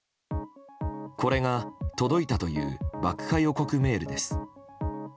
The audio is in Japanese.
これが届いたという爆破予告メールです。